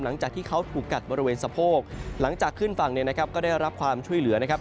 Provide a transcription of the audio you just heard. หลังจากที่เขาถูกกัดบริเวณสะโพกหลังจากขึ้นฝั่งเนี่ยนะครับก็ได้รับความช่วยเหลือนะครับ